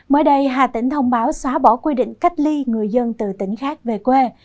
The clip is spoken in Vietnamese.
mới đây hà tĩnh thông báo xóa bỏ quy định cách ly người dân từ tỉnh khác về quê